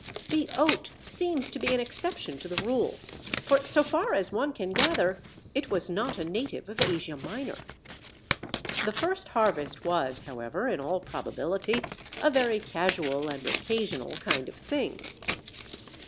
The Oat seems to be an exception to the rule, for, so far as one can gather, it was not a native of Asia Minor. The first harvest was, however, in all probability, a very casual and occasional kind of thing.